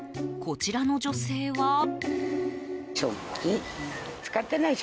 こちらの女性は。